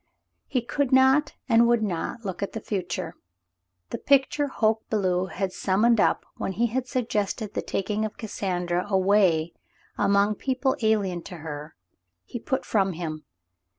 He could not and would not look at the future. The picture Hoke Belew had summoned up when he had sug gested the taking of Cassandra away among people alien to her, he put from him.